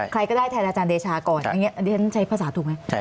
ใครก็ได้แทนอาจารย์เดชาก่อนอันนี้ฉันใช้ภาษาถูกไหม